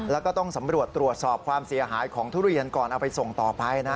แล้วก็ต้องสำรวจตรวจสอบความเสียหายของทุเรียนก่อนเอาไปส่งต่อไปนะ